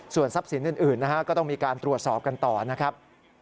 ส่วนทรัพย์สินอื่นนะฮะก็ต้องมีการตรวจสอบกันต่อนะครับ